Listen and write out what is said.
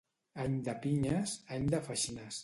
Any de pinyes, any de feixines.